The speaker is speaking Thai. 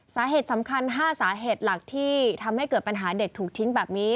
สาเหตุสำคัญ๕สาเหตุหลักที่ทำให้เกิดปัญหาเด็กถูกทิ้งแบบนี้